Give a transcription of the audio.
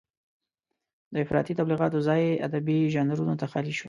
د افراطي تبليغاتو ځای ادبي ژانرونو ته خالي شو.